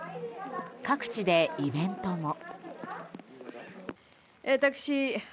各地でイベントも。